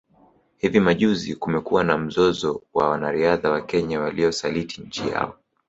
Hivi majuzi kumekuwa na mzozo wa wanariadha wa Kenya waliosaliti nchi yao